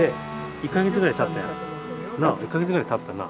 １か月ぐらいたったな。